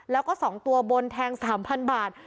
แล้วก็๒ตัวบนแทง๓๐๐บาท